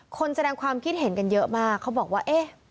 แสดงความคิดเห็นกันเยอะมากเขาบอกว่าเอ๊ะ